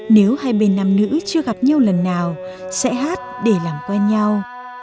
nếu hai bên nam nữ chưa gặp nhau lần nào sẽ hát để làm quen nhau